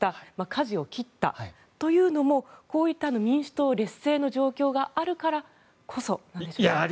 かじを切ったというのもこういった民主党劣勢の状況があるからこそなんでしょうか。